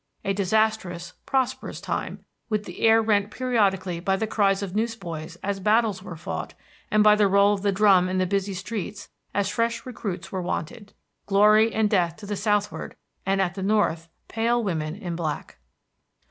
A disastrous, prosperous time, with the air rent periodically by the cries of newsboys as battles were fought, and by the roll of the drum in the busy streets as fresh recruits were wanted. Glory and death to the Southward, and at the North pale women in black.